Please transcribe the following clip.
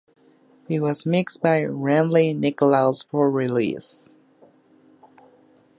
It was mixed by Randy Nicklaus for release.